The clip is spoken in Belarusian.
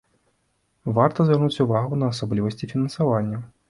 Варта звярнуць увагу на асаблівасці фінансавання.